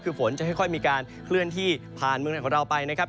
คือฝนจะค่อยมีการเคลื่อนที่ผ่านเมืองไหนของเราไปนะครับ